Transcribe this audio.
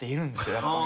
やっぱり。